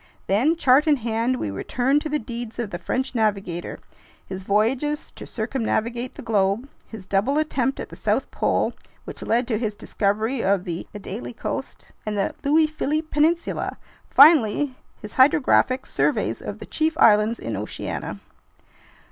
Then, chart in hand, we returned to the deeds of the French navigator: his voyages to circumnavigate the globe, his double attempt at the South Pole, which led to his discovery of the Adélie Coast and the Louis Philippe Peninsula, finally his hydrographic surveys of the chief islands in Oceania.